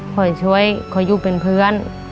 คอยช่วยคอยอยู่เป็นเพื่อน